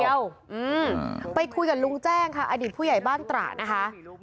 อืมไปคุยกับลุงแจ้งค่ะอดีตผู้ใหญ่บ้านตระนะคะ